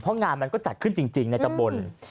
เพราะงานมันก็จัดขึ้นจริงในตำบล